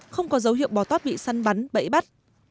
không có dấu hiệu bò toát bị săn bắn bẫy bắt